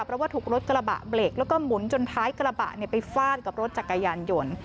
เพราะว่าถูกรถกระบะเบรกแล้วก็หมุนจนท้ายกระบะไปฟาดกับรถจักรยานยนต์